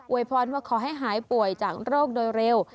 วยพรว่าขอให้หายป่วยจากโรคโดยเร็ว